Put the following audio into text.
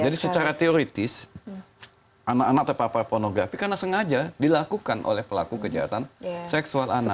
secara teoritis anak anak terpapar pornografi karena sengaja dilakukan oleh pelaku kejahatan seksual anak